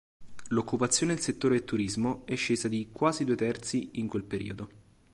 L'occupazione nel settore del turismo è scesa di "quasi due terzi" in quel periodo.